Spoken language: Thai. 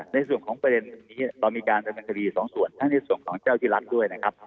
ในส่วนของประเด็นนี้เรามีการดำเนินคดีสองส่วนทั้งในส่วนของเจ้าที่รัฐด้วยนะครับ